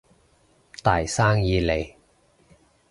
大生意嚟